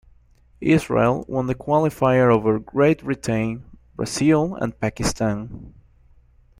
Israel won the Qualifier over Great Britain, Brazil and Pakistan.